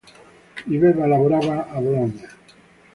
Viveva e lavorava a Bologna.